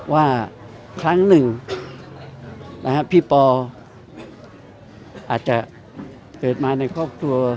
ว่าครั้งหนึ่งพี่ปออาจจะเกิดมาในครอบครัว